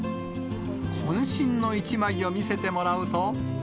こん身の一枚を見せてもらうと。